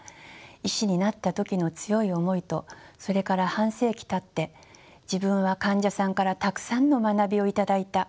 医師になった時の強い思いとそれから半世紀たって自分は患者さんからたくさんの学びを頂いた。